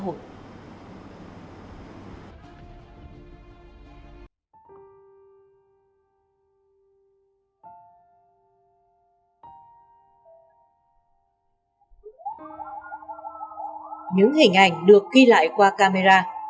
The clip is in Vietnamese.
những hình ảnh được ghi lại qua camera